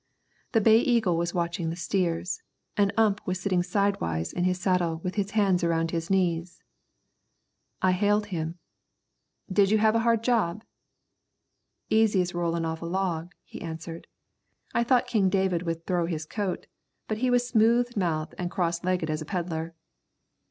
The Bay Eagle was watching the steers, and Ump was sitting sidewise in his saddle with his hands around his knees. I hailed him. "Did you have a hard job?" "Easy as rollin' off a log," he answered. "I thought King David would throw his coat, but he was smooth mouthed an' cross legged as a peddler."